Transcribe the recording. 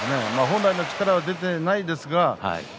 本来の力出ていません